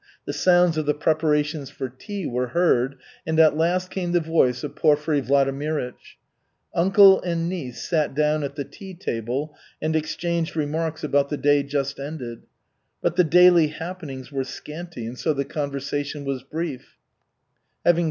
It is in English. The sounds of the preparations for tea were heard, and at last came the voice of Porfiry Vladimirych. Uncle and niece sat down at the tea table and exchanged remarks about the day just ended; but the daily happenings were scanty and so the conversation was brief.